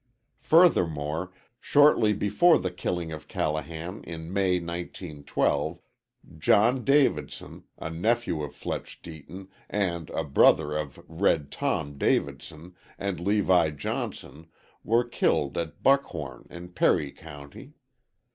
Furthermore, shortly before the killing of Callahan in May, 1912, John Davidson, a nephew of Fletch Deaton, and a brother of "Red Tom" Davidson, and Levi Johnson were killed at Buckhorn, in Perry County.